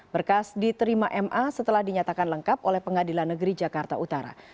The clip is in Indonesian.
berkas diterima ma setelah dinyatakan lengkap oleh pengadilan negeri jakarta utara